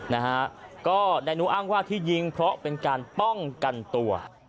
นะฮะก็นายนุอ้างว่าที่ยิงเพราะเป็นการป้องกันตัว